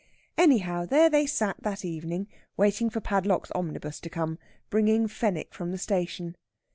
Anyhow, there they sat that evening, waiting for Padlock's omnibus to come, bringing Fenwick from the station.